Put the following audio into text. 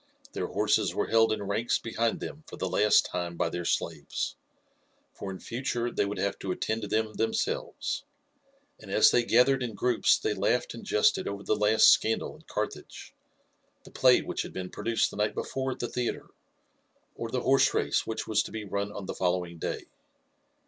Their horses were held in ranks behind them for the last time by their slaves, for in future they would have to attend to them themselves, and as they gathered in groups they laughed and jested over the last scandal in Carthage, the play which had been produced the night before at the theatre, or the horse race which was to be run on the following day.